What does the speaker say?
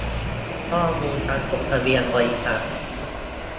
ข้อมูลการจดทะเบียนบริษัท